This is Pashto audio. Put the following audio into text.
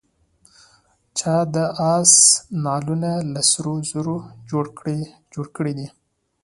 چا د آس نعلونه له سرو زرو جوړ کړي دي.